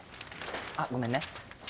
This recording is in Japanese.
あっごめんね。